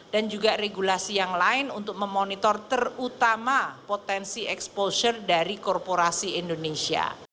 dan juga regulasi yang lain untuk memonitor terutama potensi exposure dari korporasi indonesia